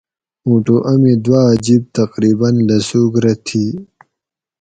مُوٹو امی دوآ جِب تقریباً لسوگ رہ تھی